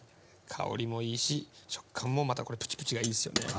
香りもいいし食感もまたプチプチがいいですよね。